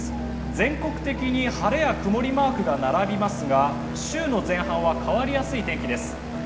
全国的に晴れや曇りマークが並びますが、週の前半は変わりやすい天気です。